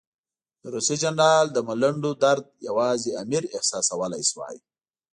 د روسي جنرال د ملنډو درد یوازې امیر احساسولای شوای.